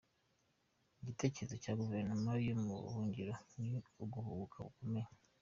Igitekerezo cya Guverinoma yo mu buhungiro ni uguhubuka gukomeye